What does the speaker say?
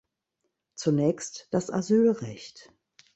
Zunächst das Asylrecht.